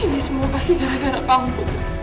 ini semua pasti gara gara pangkuk